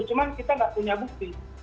cuma kita nggak punya bukti